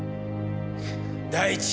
第一